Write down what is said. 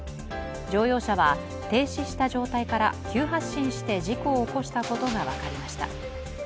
乗用車は停止した状態から急発進して事故を起こしたことが分かりました。